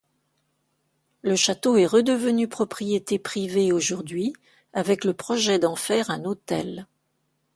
Le château est redevenu propriété privée aujourd'hui avec le projet d'en faire un hôtel.